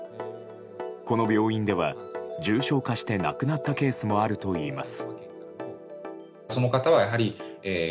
この病院では、重症化して亡くなったケースもあるといいます。